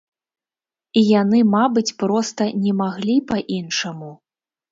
І яны, мабыць, проста не маглі па-іншаму.